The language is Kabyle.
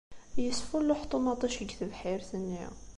Yesfulluḥ ṭumaṭic deg tebḥirt-nni.